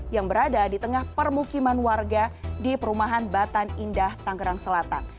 yang berada di tengah permukiman warga di perumahan batan indah tanggerang selatan